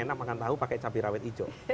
enak makan tahu pakai cabai rawit hijau